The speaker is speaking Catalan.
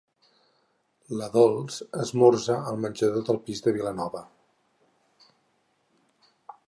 La Dols esmorza al menjador del pis de Vilanova.